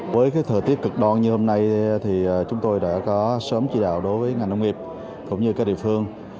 với thời tiết cực đoan như hôm nay chúng tôi đã có sớm chỉ đạo đối với ngành nông nghiệp cũng như các địa phương